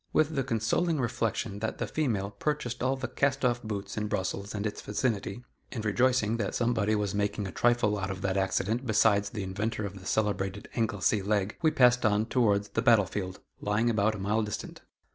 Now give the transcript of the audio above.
With the consoling reflection that the female purchased all the cast off boots in Brussels and its vicinity, and rejoicing that somebody was making a trifle out of that accident besides the inventor of the celebrated "Anglesey leg," we passed on towards the battle field, lying about a mile distant.